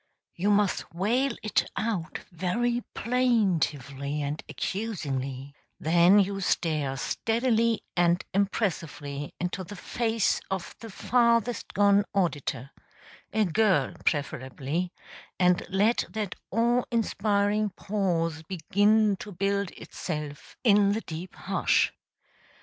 (You must wail it out very plaintively and accusingly; then you stare steadily and impressively into the face of the farthest gone auditor a girl, preferably and let that awe inspiring pause begin to build itself in the deep hush.